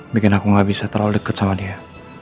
bikin aku gak bisa terlalu dekat sama dia